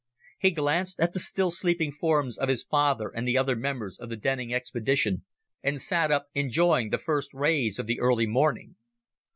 He glanced at the still sleeping forms of his father and the other members of the Denning expedition, and sat up, enjoying the first rays of the early morning.